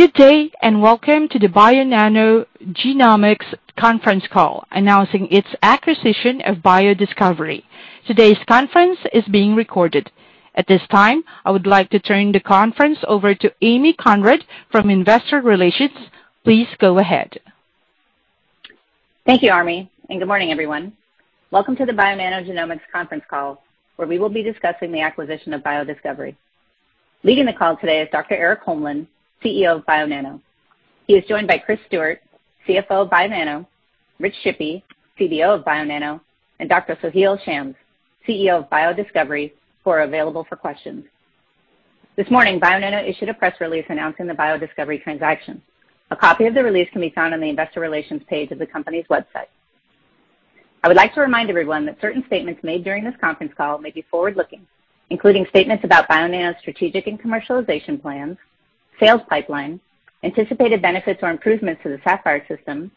Good day, and welcome to the Bionano Genomics conference call announcing its acquisition of BioDiscovery. Today's conference is being recorded. At this time, I would like to turn the conference over to Amy Conrad from Investor Relations. Please go ahead. Thank you, Amy Conrad, and good morning, everyone. Welcome to the Bionano Genomics conference call, where we will be discussing the acquisition of BioDiscovery. Leading the call today is Dr. Erik Holmlin, CEO of Bionano. He is joined by Chris Stewart, CFO of Bionano, Rich Shippy, CBO of Bionano, and Dr. Soheil Shams, CEO of BioDiscovery, who are available for questions. This morning, Bionano issued a press release announcing the BioDiscovery transaction. A copy of the release can be found on the Investor Relations page of the company's website. I would like to remind everyone that certain statements made during this conference call may be forward-looking, including statements about Bionano's strategic and commercialization plans, sales pipeline, anticipated benefits or improvements to the Saphyr System,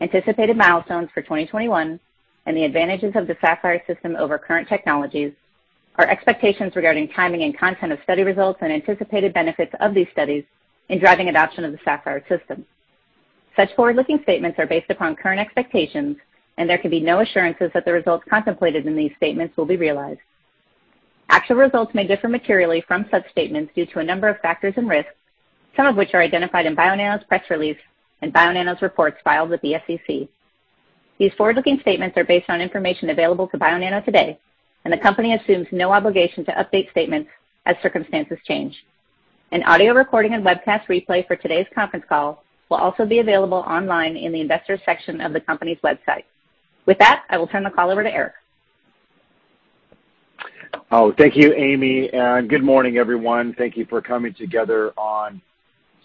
anticipated milestones for 2021, and the advantages of the Saphyr System over current technologies, our expectations regarding timing and content of study results, and anticipated benefits of these studies in driving adoption of the Saphyr System. Such forward-looking statements are based upon current expectations, and there can be no assurances that the results contemplated in these statements will be realized. Actual results may differ materially from such statements due to a number of factors and risks, some of which are identified in Bionano's press release and Bionano's reports filed with the SEC. These forward-looking statements are based on information available to Bionano today, and the company assumes no obligation to update statements as circumstances change. An audio recording and webcast replay for today's conference call will also be available online in the investors section of the company's website. With that, I will turn the call over to Erik. Oh, thank you, Amy, and good morning, everyone. Thank you for coming together on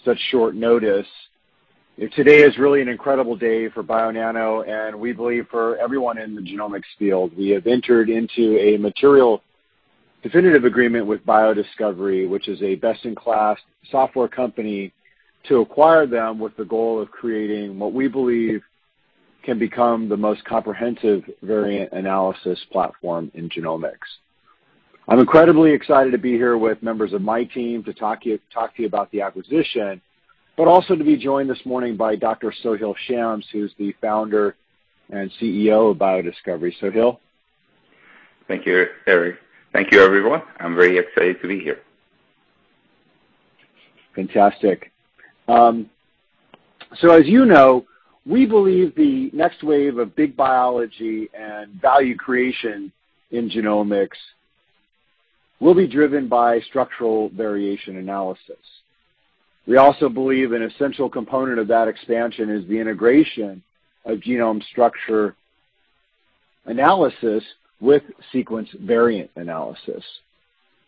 such short notice. Today is really an incredible day for Bionano, and we believe for everyone in the genomics field. We have entered into a material definitive agreement with BioDiscovery, which is a best-in-class software company, to acquire them with the goal of creating what we believe can become the most comprehensive variant analysis platform in genomics. I'm incredibly excited to be here with members of my team to talk to you about the acquisition, but also to be joined this morning by Dr. Soheil Shams, who's the Founder and CEO of BioDiscovery. Soheil? Thank you, Erik. Thank you, everyone. I'm very excited to be here. Fantastic. As you know, we believe the next wave of big biology and value creation in genomics will be driven by structural variation analysis. We also believe an essential component of that expansion is the integration of genome structure analysis with sequence variant analysis.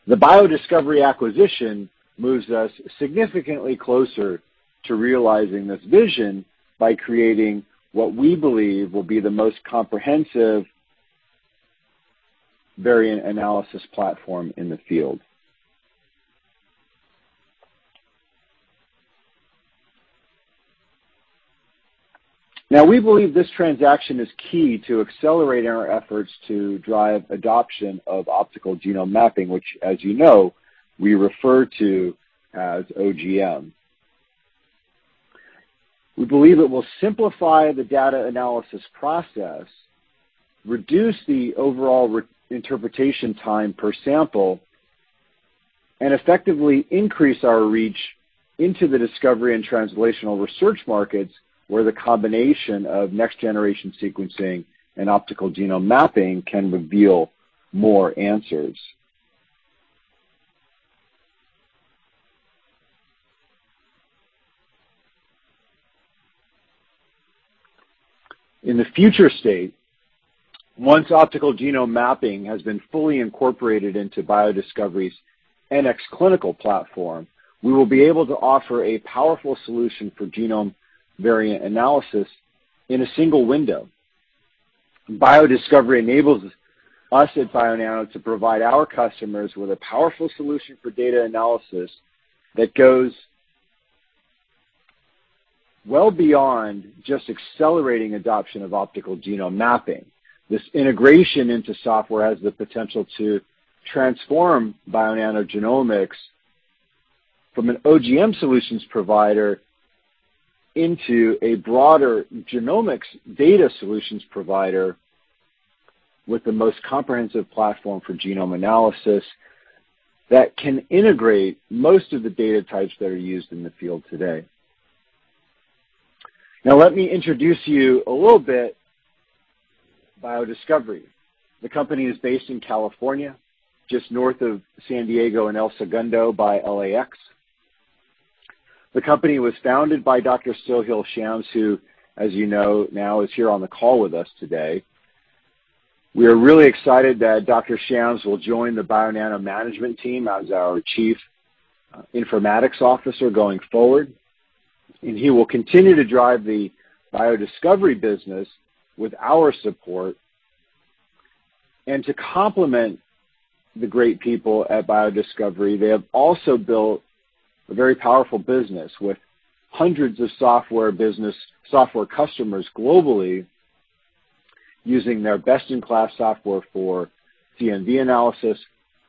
The BioDiscovery acquisition moves us significantly closer to realizing this vision by creating what we believe will be the most comprehensive variant analysis platform in the field. We believe this transaction is key to accelerating our efforts to drive adoption of optical genome mapping, which, as you know, we refer to as OGM. We believe it will simplify the data analysis process, reduce the overall interpretation time per sample, and effectively increase our reach into the discovery and translational research markets, where the combination of next-generation sequencing and optical genome mapping can reveal more answers. In the future state, once optical genome mapping has been fully incorporated into BioDiscovery's NxClinical platform, we will be able to offer a powerful solution for genome variant analysis in a single window. BioDiscovery enables us at Bionano to provide our customers with a powerful solution for data analysis that goes well beyond just accelerating adoption of optical genome mapping. This integration into software has the potential to transform Bionano Genomics from an OGM solutions provider into a broader genomics data solutions provider with the most comprehensive platform for genome analysis that can integrate most of the data types that are used in the field today. Now, let me introduce you a little bit, BioDiscovery. The company is based in California, just north of San Diego in El Segundo by LAX. The company was founded by Dr. Soheil Shams, who, as you know, now is here on the call with us today. We are really excited that Dr. Shams will join the Bionano management team as our Chief Informatics Officer going forward. He will continue to drive the BioDiscovery business with our support. To complement the great people at BioDiscovery, they have also built a very powerful business with hundreds of software customers globally. Using their best-in-class software for CNV analysis,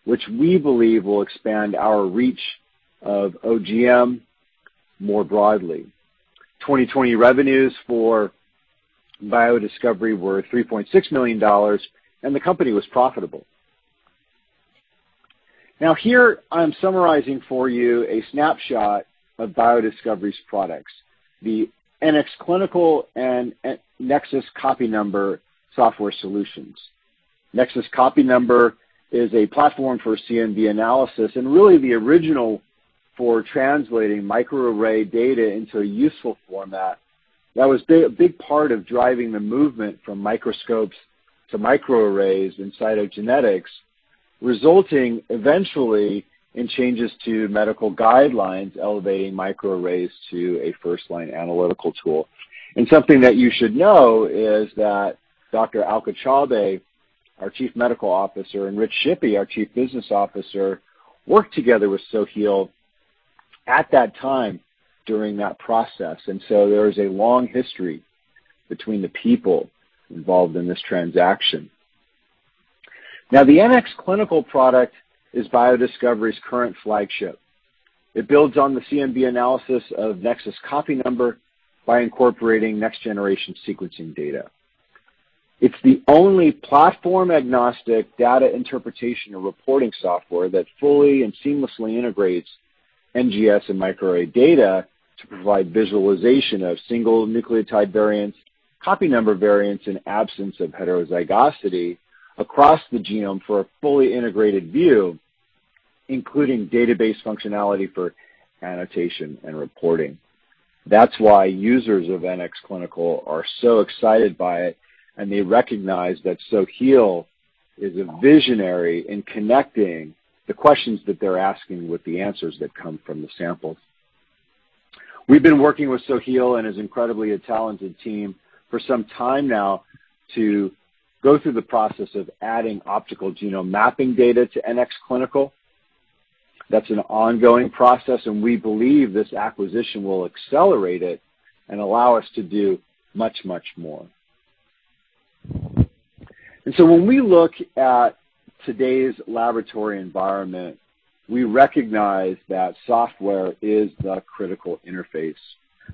which we believe will expand our reach of OGM more broadly. 2020 revenues for BioDiscovery were $3.6 million, and the company was profitable. Now here, I'm summarizing for you a snapshot of BioDiscovery's products, the NxClinical and Nexus Copy Number software solutions. Nexus Copy Number is a platform for CNV analysis and really the original for translating microarray data into a useful format that was a big part of driving the movement from microscopes to microarrays in cytogenetics, resulting eventually in changes to medical guidelines elevating microarrays to a first-line analytical tool. Something that you should know is that Dr. Alka Chaubey, our Chief Medical Officer, and Rich Shippy, our Chief Business Officer, worked together with Soheil at that time during that process. There is a long history between the people involved in this transaction. The NxClinical product is BioDiscovery's current flagship. It builds on the CNV analysis of Nexus Copy Number by incorporating next-generation sequencing data. It's the only platform-agnostic data interpretation and reporting software that fully and seamlessly integrates NGS and microarray data to provide visualization of single nucleotide variants, copy number variants, and absence of heterozygosity across the genome for a fully integrated view, including database functionality for annotation and reporting. That's why users of NxClinical are so excited by it, and they recognize that Soheil is a visionary in connecting the questions that they're asking with the answers that come from the samples. We've been working with Soheil and his incredibly talented team for some time now to go through the process of adding optical genome mapping data to NxClinical. That's an ongoing process, and we believe this acquisition will accelerate it and allow us to do much more. When we look at today's laboratory environment, we recognize that software is the critical interface.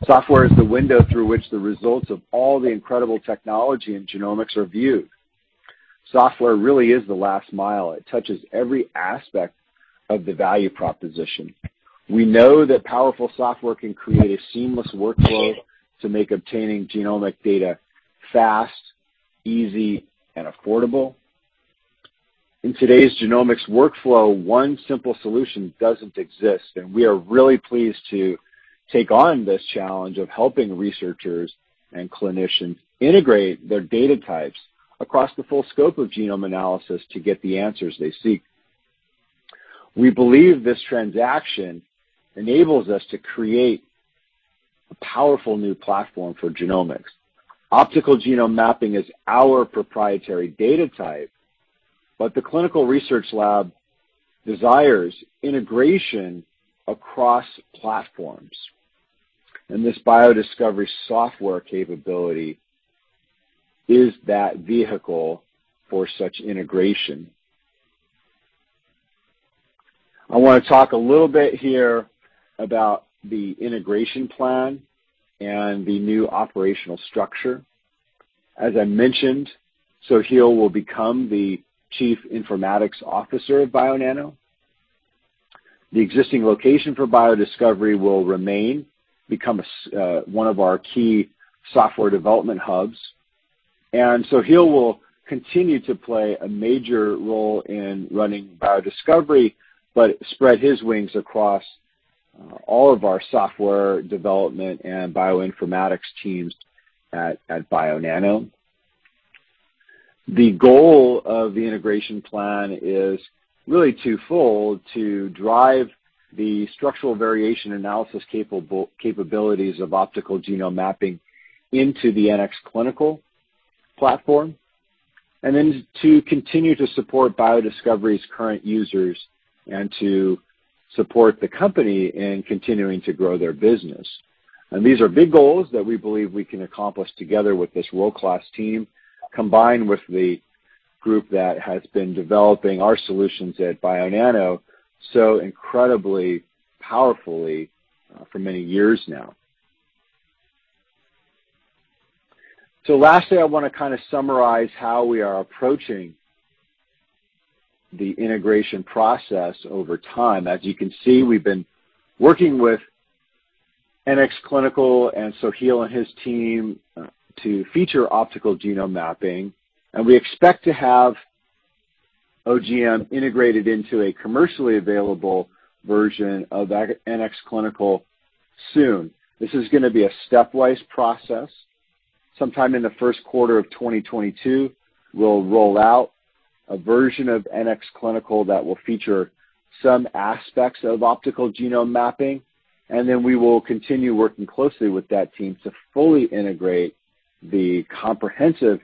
Software is the window through which the results of all the incredible technology in genomics are viewed. Software really is the last mile. It touches every aspect of the value proposition. We know that powerful software can create a seamless workflow to make obtaining genomic data fast, easy, and affordable. In today's genomics workflow, one simple solution doesn't exist. We are really pleased to take on this challenge of helping researchers and clinicians integrate their data types across the full scope of genome analysis to get the answers they seek. We believe this transaction enables us to create a powerful new platform for genomics. Optical genome mapping is our proprietary data type. The clinical research lab desires integration across platforms. This BioDiscovery software capability is that vehicle for such integration. I want to talk a little bit here about the integration plan and the new operational structure. As I mentioned, Soheil will become the Chief Informatics Officer of Bionano. The existing location for BioDiscovery will remain, become one of our key software development hubs, and Soheil will continue to play a major role in running BioDiscovery, but spread his wings across all of our software development and bioinformatics teams at Bionano. The goal of the integration plan is really twofold: to drive the structural variation analysis capabilities of optical genome mapping into the NxClinical platform, and then to continue to support BioDiscovery's current users and to support the company in continuing to grow their business. These are big goals that we believe we can accomplish together with this world-class team, combined with the group that has been developing our solutions at Bionano so incredibly powerfully for many years now. Lastly, I want to kind of summarize how we are approaching the integration process over time. As you can see, we've been working with NxClinical and Soheil and his team to feature optical genome mapping, and we expect to have OGM integrated into a commercially available version of NxClinical soon. This is going to be a stepwise process. Sometime in the first quarter of 2022, we'll roll out a version of NxClinical that will feature some aspects of optical genome mapping, and then we will continue working closely with that team to fully integrate the comprehensive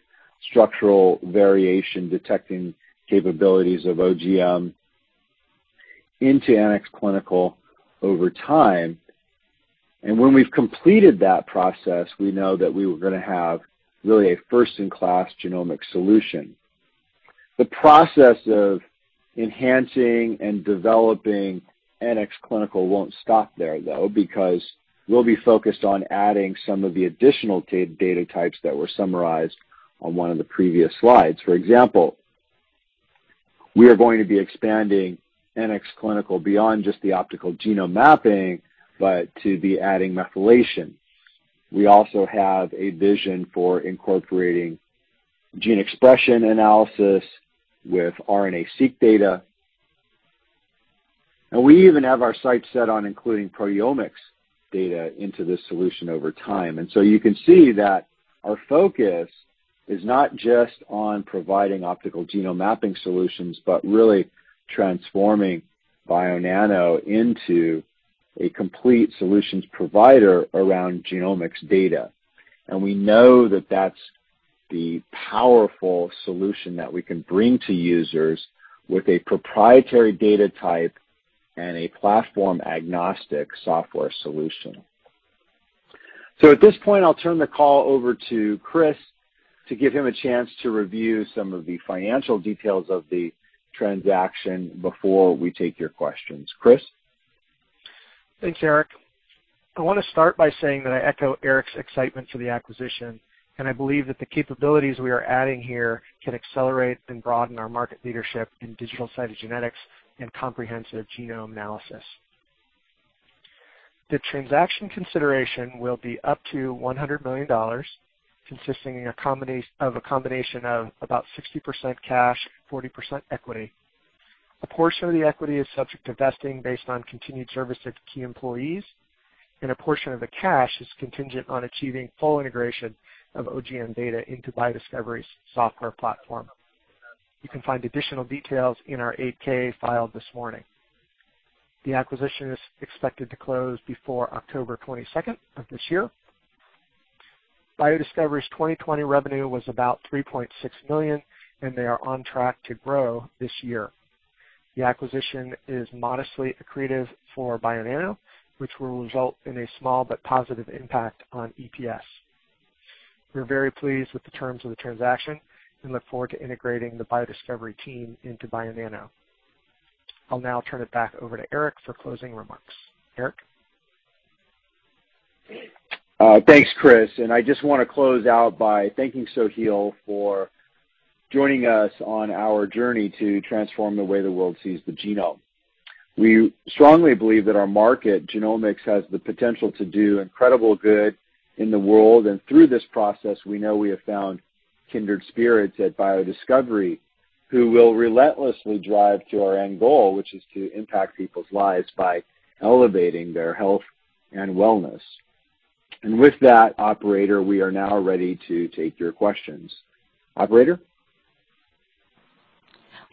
structural variation detecting capabilities of OGM into NxClinical over time. When we've completed that process, we know that we were going to have really a first-in-class genomic solution. The process of enhancing and developing NxClinical won't stop there, though, because we'll be focused on adding some of the additional data types that were summarized on one of the previous slides. For example, we are going to be expanding NxClinical beyond just the optical genome mapping, but to be adding methylation. We also have a vision for incorporating gene expression analysis with RNA-Seq data. We even have our sights set on including proteomics data into this solution over time. You can see that our focus is not just on providing optical genome mapping solutions, but really transforming Bionano into a complete solutions provider around genomics data. We know that that's the powerful solution that we can bring to users with a proprietary data type and a platform-agnostic software solution. At this point, I'll turn the call over to Chris to give him a chance to review some of the financial details of the transaction before we take your questions. Chris? Thanks, Erik. I want to start by saying that I echo Erik's excitement for the acquisition, and I believe that the capabilities we are adding here can accelerate and broaden our market leadership in digital cytogenetics and comprehensive genome analysis. The transaction consideration will be up to $100 million, consisting of a combination of about 60% cash, 40% equity. A portion of the equity is subject to vesting based on continued service of key employees, and a portion of the cash is contingent on achieving full integration of OGM data into BioDiscovery's software platform. You can find additional details in our 8-K filed this morning. The acquisition is expected to close before October 22nd of this year. BioDiscovery's 2020 revenue was about $3.6 million, and they are on track to grow this year. The acquisition is modestly accretive for Bionano, which will result in a small but positive impact on EPS. We're very pleased with the terms of the transaction and look forward to integrating the BioDiscovery team into Bionano. I'll now turn it back over to Erik for closing remarks. Erik? Thanks, Chris. I just want to close out by thanking Soheil for joining us on our journey to transform the way the world sees the genome. We strongly believe that our market, genomics, has the potential to do incredible good in the world, and through this process, we know we have found kindred spirits at BioDiscovery who will relentlessly drive to our end goal, which is to impact people's lives by elevating their health and wellness. With that, operator, we are now ready to take your questions. Operator?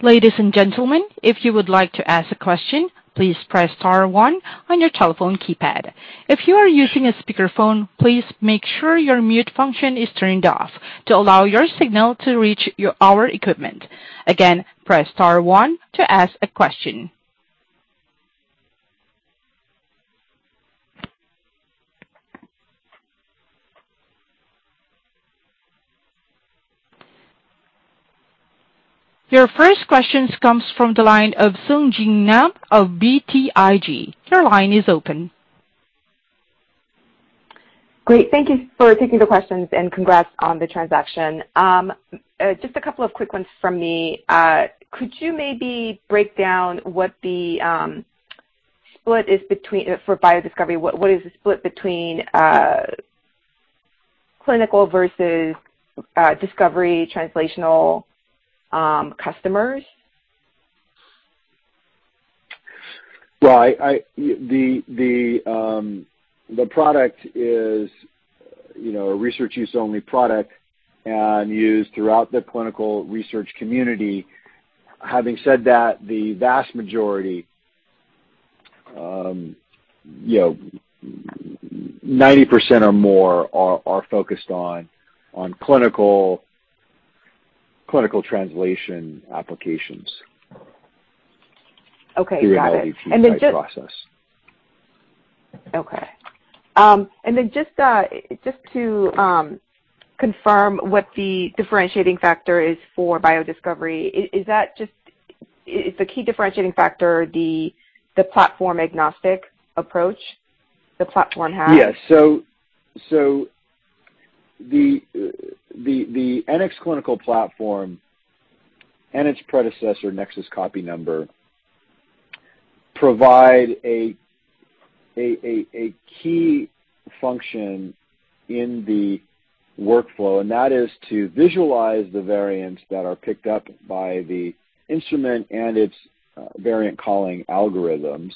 Ladies and gentlemen, if you would like to ask a question, please press star one on your telephone keypad. If you are using a speakerphone, please make sure your mute function is turned off to allow your signal to reach our equipment. Again, press star one to ask a question. Your first question comes from the line of Sung Ji Nam of BTIG. Your line is open. Great. Thank you for taking the questions, and congrats on the transaction. Just a couple of quick ones from me. Could you maybe break down for BioDiscovery, what is the split between clinical versus discovery translational customers? Well, the product is a research use only product and used throughout the clinical research community. Having said that, the vast majority, 90% or more are focused on clinical translation applications. Okay, got it. Through an LDT type process. Okay. Just to confirm what the differentiating factor is for BioDiscovery, is the key differentiating factor the platform-agnostic approach the platform has? Yes. The NxClinical platform and its predecessor, Nexus Copy Number, provide a key function in the workflow, and that is to visualize the variants that are picked up by the instrument and its variant calling algorithms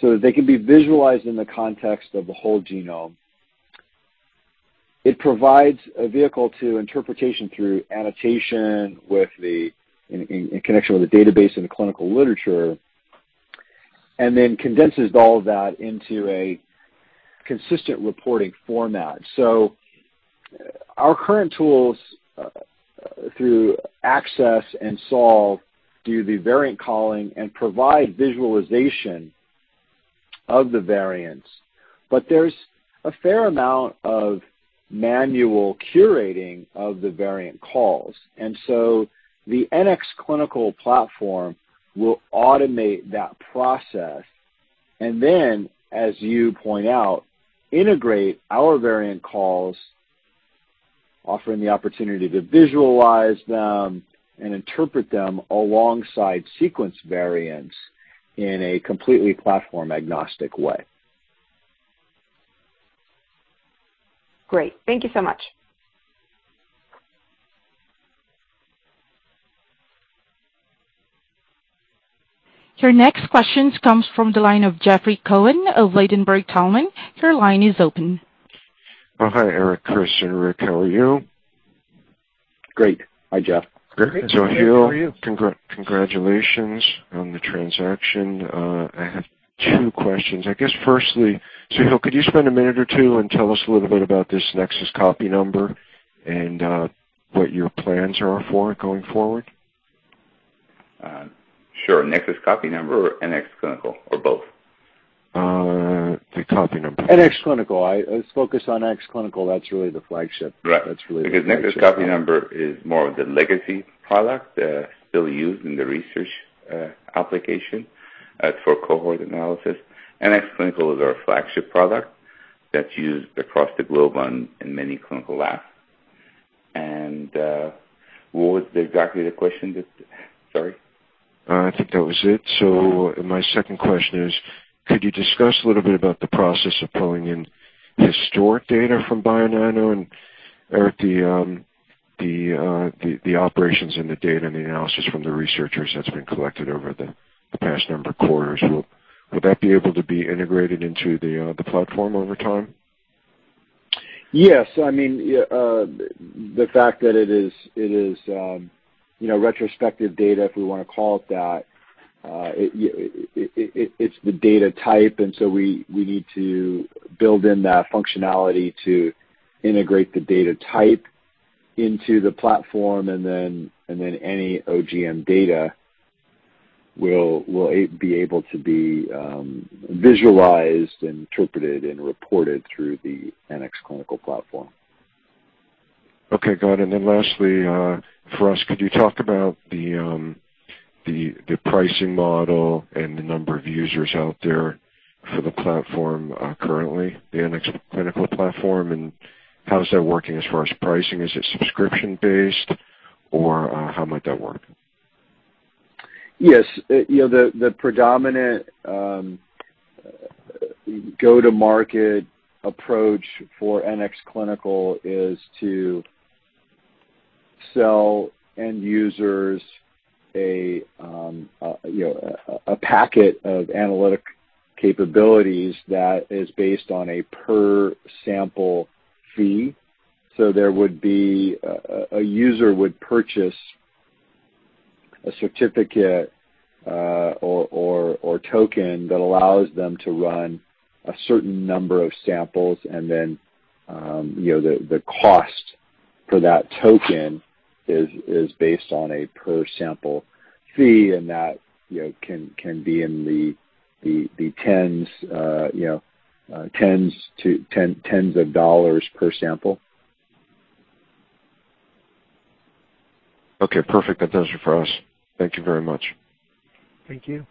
so that they can be visualized in the context of the whole genome. It provides a vehicle to interpretation through annotation in connection with the database and the clinical literature, and then condenses all of that into a consistent reporting format. Our current tools through Access and Solve do the variant calling and provide visualization of the variants. There's a fair amount of manual curating of the variant calls. The NxClinical platform will automate that process and then, as you point out, integrate our variant calls, offering the opportunity to visualize them and interpret them alongside sequence variants in a completely platform-agnostic way. Great. Thank you so much. Your next question comes from the line of Jeffrey Cohen of Ladenburg Thalmann. Your line is open. Oh, hi, Erik, Chris, and Rich. How are you? Great. Hi, Jeff. Great. How are you? Congratulations on the transaction. I have two questions. I guess firstly, Soheil, could you spend a minute or two and tell us a little bit about this Nexus Copy Number and what your plans are for it going forward? Sure. Nexus Copy Number or NxClinical, or both? The Copy Number. NxClinical. Let's focus on NxClinical. That's really the flagship. Right. That's really- Nexus Copy Number is more of the legacy product, still used in the research application for cohort analysis. NxClinical is our flagship product that's used across the globe in many clinical labs. What was exactly the question? Sorry. I think that was it. My second question is, could you discuss a little bit about the process of pulling in historic data from Bionano and, Erik, the operations and the data and the analysis from the researchers that's been collected over the past number of quarters? Will that be able to be integrated into the platform over time? Yes. The fact that it is retrospective data, if we want to call it that, it's the data type, and so we need to build in that functionality to integrate the data type into the platform, and then any OGM data will be able to be visualized, interpreted, and reported through the NxClinical platform. Okay, got it. Then lastly, for us, could you talk about the pricing model and the number of users out there for the platform currently, the NxClinical platform, and how is that working as far as pricing? Is it subscription-based, or how might that work? Yes. The predominant go-to-market approach for NxClinical is to sell end users a packet of analytic capabilities that is based on a per-sample fee. A user would purchase a certificate or token that allows them to run a certain number of samples and then the cost for that token is based on a per-sample fee, and that can be in the $10s per sample. Okay, perfect. That does it for us. Thank you very much. Thank you.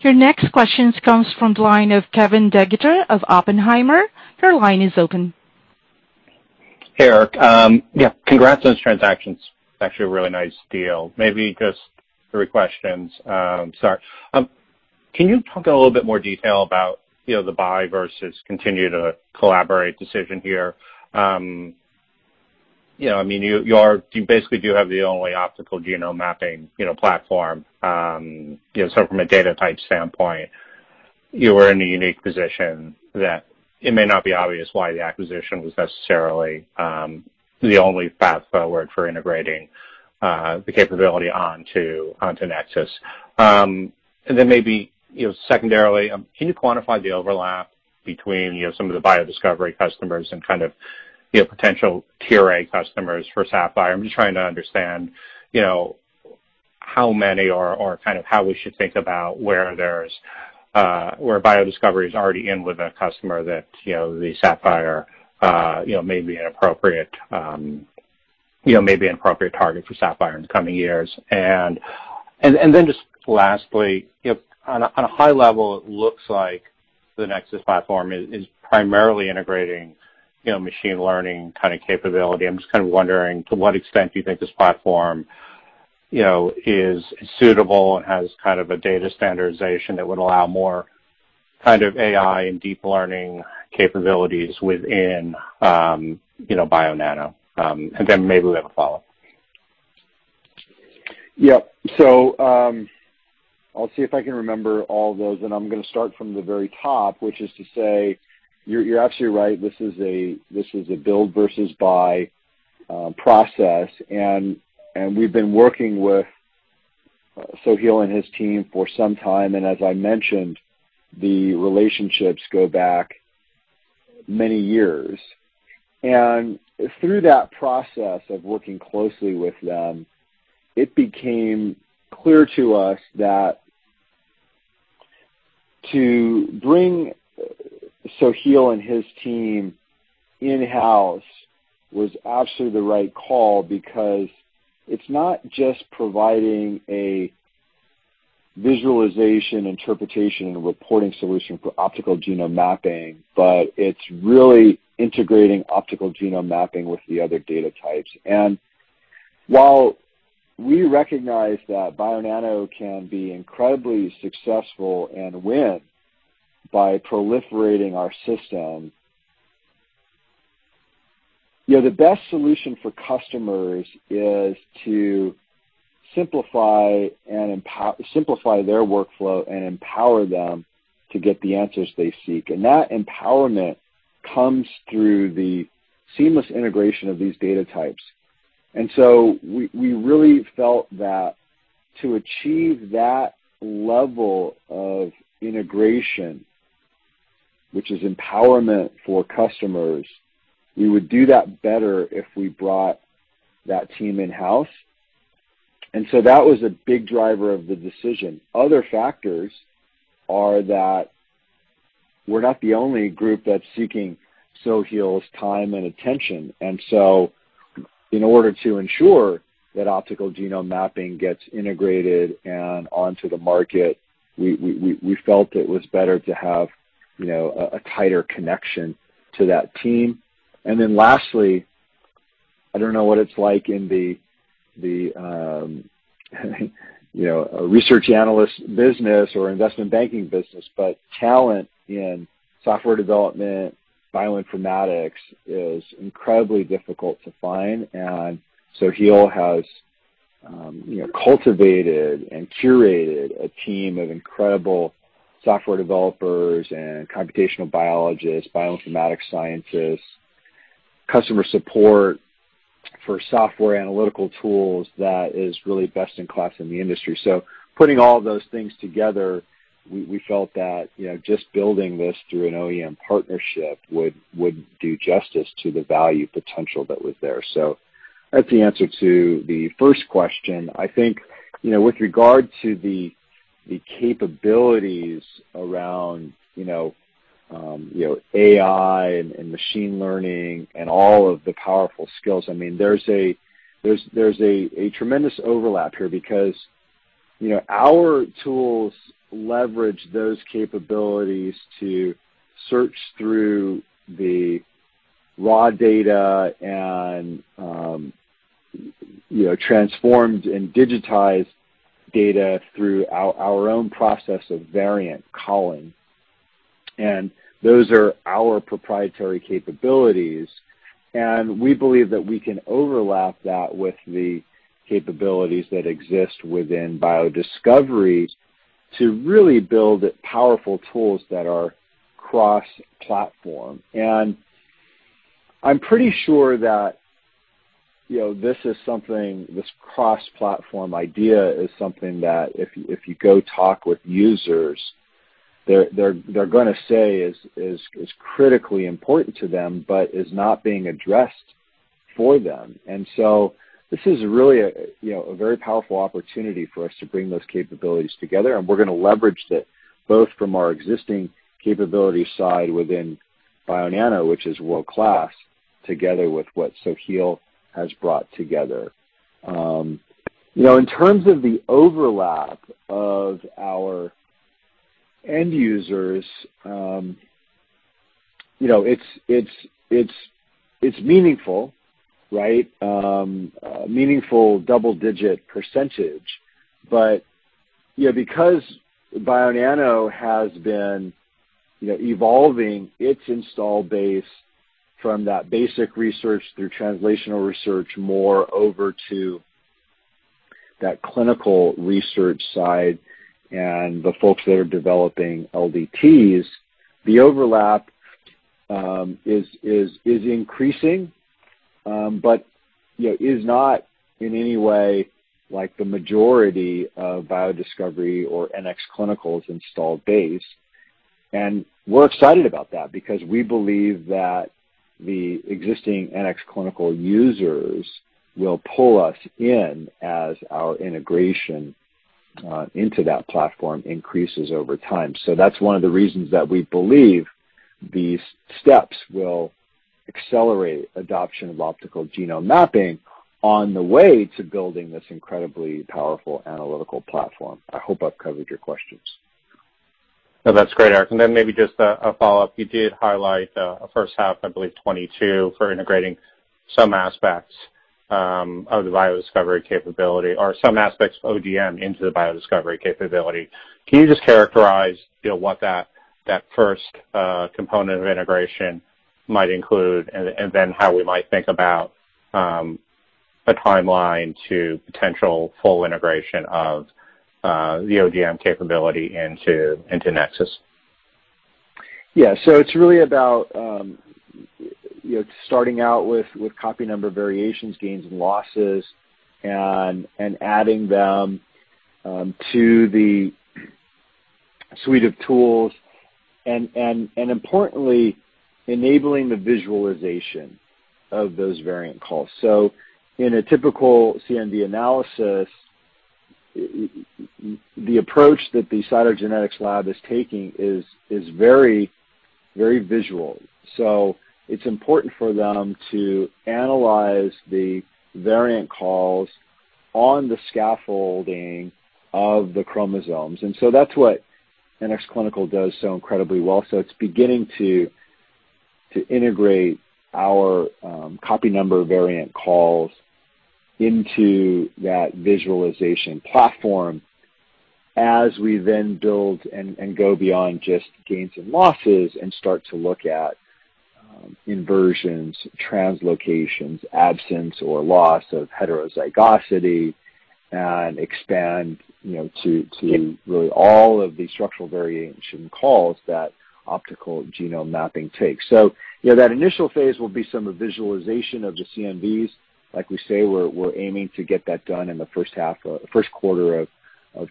Your next question comes from the line of Kevin DeGeeter of Oppenheimer. Your line is open. Hey, Erik. Yeah. Congrats on this transaction. It's actually a really nice deal. Maybe just three questions. Sorry. Can you talk a little bit more detail about the buy versus continue to collaborate decision here? You basically do have the only optical genome mapping platform. From a data type standpoint, you are in a unique position that it may not be obvious why the acquisition was necessarily the only path forward for integrating the capability onto Nexus. Maybe, secondarily, can you quantify the overlap between some of the BioDiscovery customers and potential QA customers for Saphyr? I'm just trying to understand how many or how we should think about where BioDiscovery is already in with a customer that the Saphyr may be an appropriate target for Saphyr in the coming years. Just lastly, on a high level, it looks like the Nexus platform is primarily integrating machine learning capability. I'm just wondering to what extent you think this platform is suitable and has a data standardization that would allow more AI and deep learning capabilities within Bionano. Maybe we have a follow-up. Yep. I'll see if I can remember all of those. I'm going to start from the very top, which is to say, you're absolutely right. This is a build versus buy process. We've been working with Soheil and his team for some time, as I mentioned, the relationships go back many years. Through that process of working closely with them, it became clear to us that to bring Soheil and his team in-house was absolutely the right call, because it's not just providing a visualization, interpretation, and reporting solution for optical genome mapping, but it's really integrating optical genome mapping with the other data types. While we recognize that Bionano can be incredibly successful and win by proliferating our system, the best solution for customers is to simplify their workflow and empower them to get the answers they seek. That empowerment comes through the seamless integration of these data types. We really felt that to achieve that level of integration, which is empowerment for customers, we would do that better if we brought that team in-house. That was a big driver of the decision. Other factors are that we're not the only group that's seeking Soheil's time and attention. In order to ensure that optical genome mapping gets integrated and onto the market, we felt it was better to have a tighter connection to that team. Lastly, I don't know what it's like in the research analyst business or investment banking business, but talent in software development, bioinformatics, is incredibly difficult to find. Soheil has cultivated and curated a team of incredible software developers and computational biologists, bioinformatics scientists, customer support for software analytical tools that is really best in class in the industry. Putting all of those things together, we felt that just building this through an OEM partnership would do justice to the value potential that was there. That's the answer to the first question. I think, with regard to the capabilities around AI and machine learning and all of the powerful skills, there's a tremendous overlap here because our tools leverage those capabilities to search through the raw data and transformed and digitized data through our own process of variant calling. Those are our proprietary capabilities, and we believe that we can overlap that with the capabilities that exist within BioDiscovery to really build powerful tools that are cross-platform. I'm pretty sure that this cross-platform idea is something that if you go talk with users, they're going to say is critically important to them, but is not being addressed for them. This is really a very powerful opportunity for us to bring those capabilities together, and we're going to leverage that both from our existing capability side within Bionano, which is world-class, together with what Soheil has brought together. In terms of the overlap of our end users, it's meaningful, right? Meaningful double-digit percentage. Because Bionano has been evolving its install base from that basic research through translational research more over to that clinical research side and the folks that are developing LDTs, the overlap is increasing, but is not in any way like the majority of BioDiscovery or NxClinical's installed base. We're excited about that because we believe that the existing NxClinical users will pull us in as our integration into that platform increases over time. That's one of the reasons that we believe these steps will accelerate adoption of optical genome mapping on the way to building this incredibly powerful analytical platform. I hope I've covered your questions. No, that's great, Erik. Then maybe just a follow-up. You did highlight first half, I believe, 2022 for integrating some aspects of the BioDiscovery capability, or some aspects of OGM into the BioDiscovery capability. Can you just characterize what that first component of integration might include, and then how we might think about a timeline to potential full integration of the OGM capability into Nexus? Yeah. It's really about starting out with Copy Number Variations, gains and losses, adding them to the suite of tools and importantly enabling the visualization of those variant calls. In a typical CNV analysis, the approach that the cytogenetics lab is taking is very visual. It's important for them to analyze the variant calls on the scaffolding of the chromosomes. That's what NxClinical does so incredibly well. It's beginning to integrate our Copy Number variant calls into that visualization platform as we then build and go beyond just gains and losses and start to look at inversions, translocations, absence or loss of heterozygosity and expand to really all of the structural variation calls that optical genome mapping takes. That initial phase will be some visualization of the CNVs. Like we say, we're aiming to get that done in the first quarter of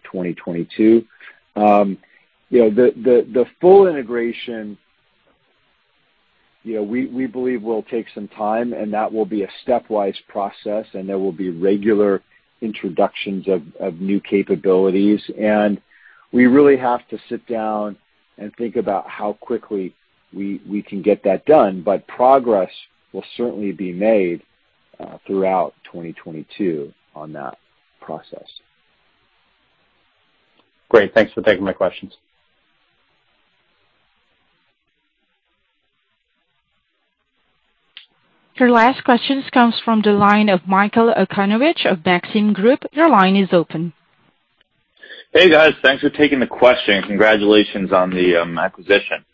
2022. The full integration, we believe will take some time and that will be a stepwise process and there will be regular introductions of new capabilities. We really have to sit down and think about how quickly we can get that done. Progress will certainly be made throughout 2022 on that process. Great. Thanks for taking my questions. Your last questions comes from the line of Michael Okunewitch of Maxim Group. Your line is open. Hey, guys. Thanks for taking the question. Congratulations on the acquisition.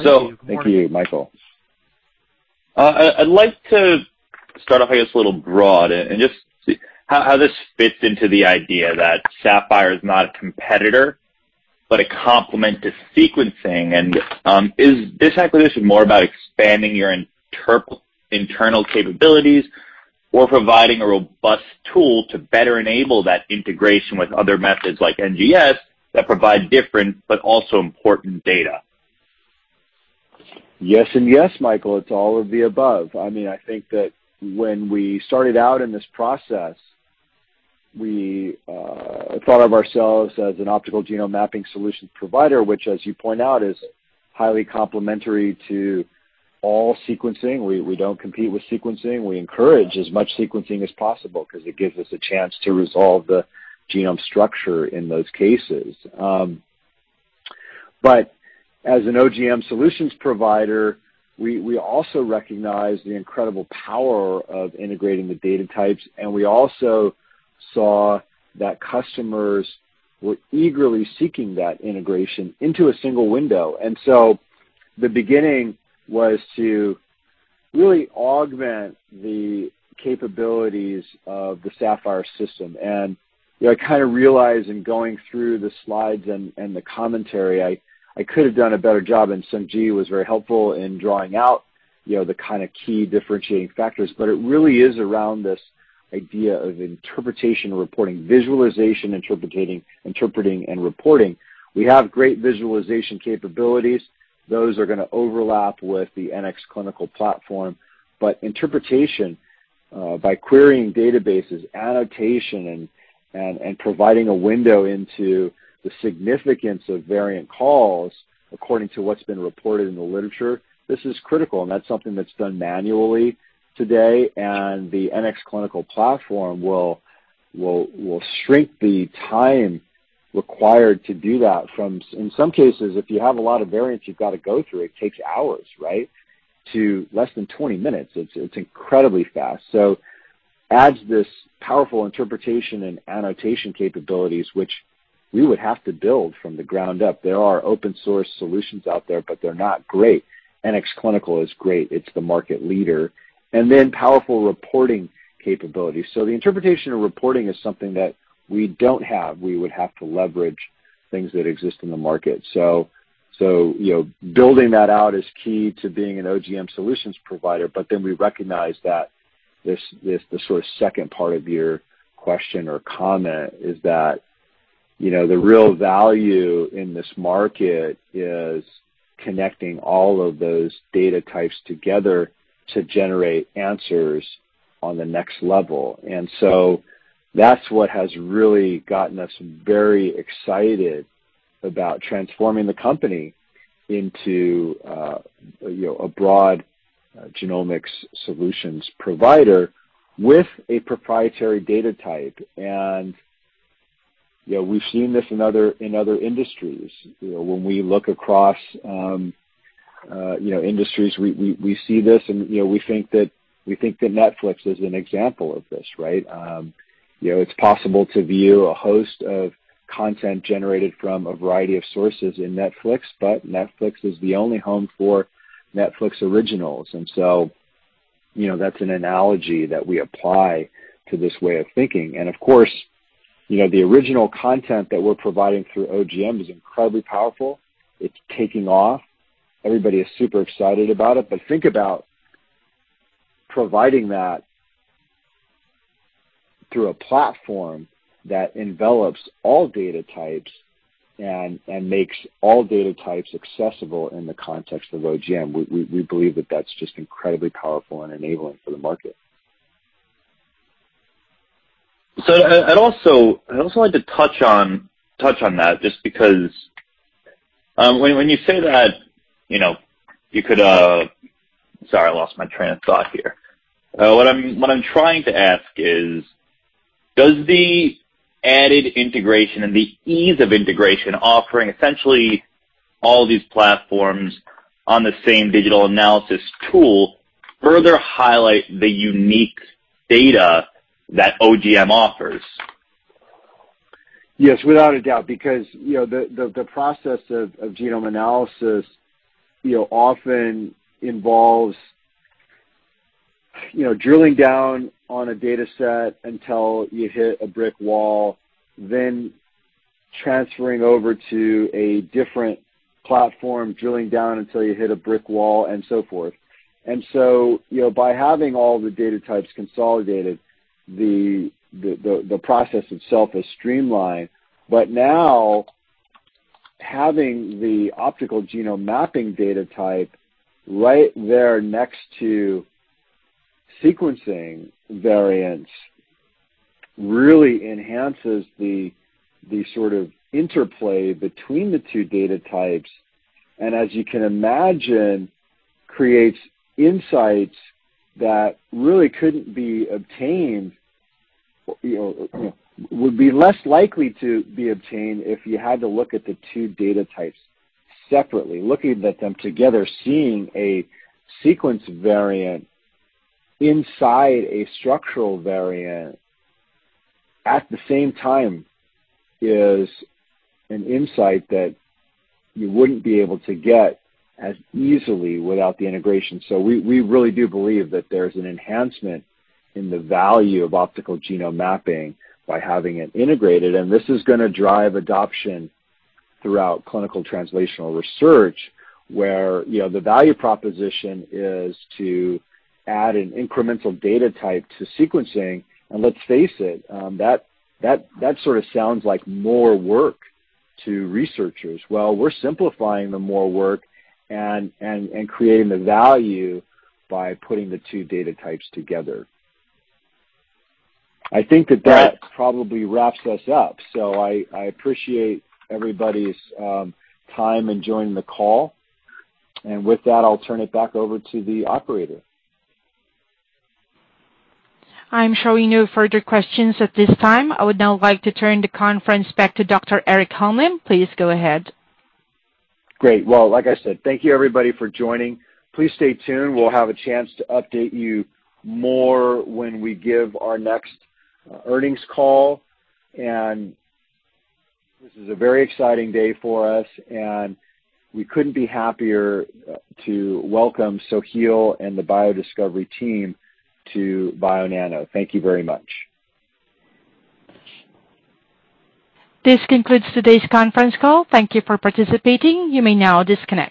Thank you, Michael. I'd like to start off, I guess, a little broad and just how this fits into the idea that Saphyr is not a competitor, but a complement to sequencing. Is this acquisition more about expanding your internal capabilities or providing a robust tool to better enable that integration with other methods like NGS that provide different but also important data? Yes, Michael, it's all of the above. I think that when we started out in this process, we thought of ourselves as an optical genome mapping solutions provider, which as you point out, is highly complementary to all sequencing. We don't compete with sequencing. We encourage as much sequencing as possible because it gives us a chance to resolve the genome structure in those cases. As an OGM solutions provider, we also recognize the incredible power of integrating the data types, and we also saw that customers were eagerly seeking that integration into a single window. The beginning was to really augment the capabilities of the Saphyr System. I kind of realized in going through the slides and the commentary, I could have done a better job, and Sung Ji was very helpful in drawing out the kind of key differentiating factors. It really is around this idea of interpretation reporting, visualization, interpreting and reporting. We have great visualization capabilities. Those are going to overlap with the NxClinical platform. Interpretation by querying databases, annotation and providing a window into the significance of variant calls according to what's been reported in the literature, this is critical, and that's something that's done manually today. The NxClinical platform will shrink the time required to do that from in some cases, if you have a lot of variants you've got to go through, it takes hours, right, to less than 20 minutes. It's incredibly fast. Adds this powerful interpretation and annotation capabilities, which we would have to build from the ground up. There are open source solutions out there, but they're not great. NxClinical is great. It's the market leader. Then powerful reporting capabilities. The interpretation of reporting is something that we don't have. We would have to leverage things that exist in the market. Building that out is key to being an OGM solutions provider, but then we recognize that the sort of second part of your question or comment is that the real value in this market is connecting all of those data types together to generate answers on the next level. That's what has really gotten us very excited about transforming the company into a broad genomics solutions provider with a proprietary data type. We've seen this in other industries. When we look across industries, we see this and we think that Netflix is an example of this, right? It's possible to view a host of content generated from a variety of sources in Netflix, but Netflix is the only home for Netflix Originals. That's an analogy that we apply to this way of thinking. The original content that we're providing through OGM is incredibly powerful. It's taking off. Everybody is super excited about it. Think about providing that through a platform that envelops all data types and makes all data types accessible in the context of OGM. We believe that that's just incredibly powerful and enabling for the market. I'd also like to touch on that just because when you say that, Sorry, I lost my train of thought here. What I'm trying to ask is, does the added integration and the ease of integration offering essentially all these platforms on the same digital analysis tool further highlight the unique data that OGM offers? Yes, without a doubt, because the process of genome analysis often involves drilling down on a data set until you hit a brick wall, then transferring over to a different platform, drilling down until you hit a brick wall, and so forth. By having all the data types consolidated, the process itself is streamlined. Now, having the optical genome mapping data type right there next to sequencing variants really enhances the sort of interplay between the two data types, and as you can imagine, creates insights that really would be less likely to be obtained if you had to look at the two data types separately. Looking at them together, seeing a sequence variant inside a structural variant at the same time is an insight that you wouldn't be able to get as easily without the integration. We really do believe that there's an enhancement in the value of optical genome mapping by having it integrated, and this is going to drive adoption throughout clinical translational research, where the value proposition is to add an incremental data type to sequencing. Let's face it, that sort of sounds like more work to researchers. We're simplifying the more work and creating the value by putting the two data types together. I think that probably wraps us up. I appreciate everybody's time in joining the call. With that, I'll turn it back over to the operator. I'm showing no further questions at this time. I would now like to turn the conference back to Dr. Erik Holmlin. Please go ahead. Great. Well, like I said, thank you everybody for joining. Please stay tuned. We'll have a chance to update you more when we give our next earnings call. This is a very exciting day for us, and we couldn't be happier to welcome Soheil and the BioDiscovery team to Bionano. Thank you very much. This concludes today's conference call. Thank you for participating. You may now disconnect.